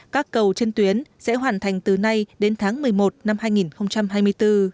các cầu trên tuyến sẽ hoàn thành từ nay đến tháng một mươi một năm hai nghìn hai mươi bốn